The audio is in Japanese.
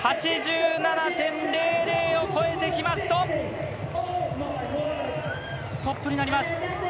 ８７．００を超えてきますとトップになります。